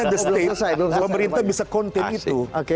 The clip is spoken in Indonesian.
the state pemerintah bisa konten itu